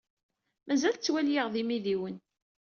Mazal tettwali-aɣ d imidiwen.